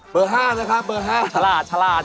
เบอร์๕แล้วครับเบอร์๕นะครับ